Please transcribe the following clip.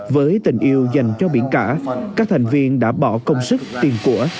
với tình yêu dành cho biển cả các thành viên đã bỏ công sức tiền của